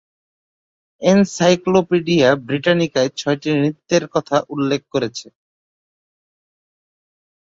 Encyclopedia ব্রিটানিকায় ছয়টি নৃত্যের কথা উল্লেখ করেছে।